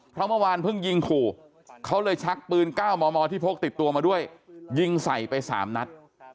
เพราะเมื่อวานเพิ่งยิงขู่เขาเลยชักปืน๙มมที่พกติดตัวมาด้วยยิงใส่ไป๓นัด